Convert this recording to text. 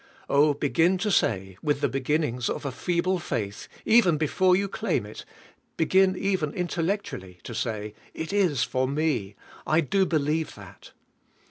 Oh, begin to say, with the begin nings of a feeble faith, even before you claim it, begin even intellectually to say :" It is for me ; I do believe that.